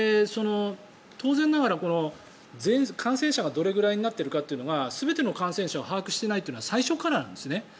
当然ながら感染者がどれくらいになっているかというのが全ての感染者を把握していないというのは最初からなんですね。